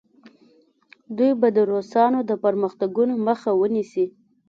دوی به د روسانو د پرمختګونو مخه ونیسي.